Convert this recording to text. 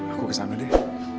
aku kesana deh